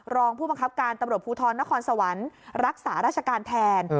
รองผู้บังคับการตำรวจภูทรนครสวรรค์รักษาราชการแทน